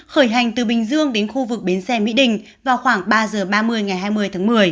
khởi hành từ bình dương đến khu vực bến xe mỹ đình vào khoảng ba giờ ba mươi ngày hai mươi tháng một mươi